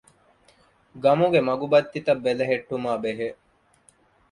ގަމުގެ މަގުބައްތިތައް ބެލެހެއްޓުމާ ބެހޭ